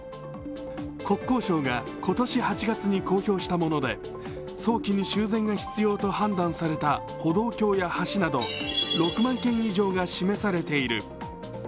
国交省が今年８月に公表したもので、早期に修繕が必要と判断された歩道橋や橋など６万件以上が示されている。